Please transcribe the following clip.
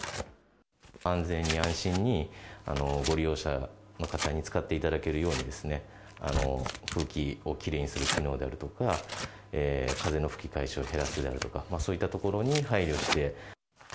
安全に安心に、ご利用者の方に使っていただけるように、空気をきれいにする機能であるとか、風の吹き返しを減らすであるとか、そういったところに配慮して。